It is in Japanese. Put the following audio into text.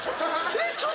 えっ？